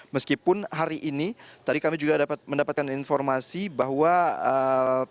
meskipun hari ini tadi kami juga mendapatkan informasi bahwa pihak tni juga mengingat bahwa